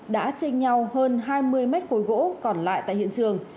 đã chênh nhau hơn hai mươi m ba gỗ còn lại tại hiện trường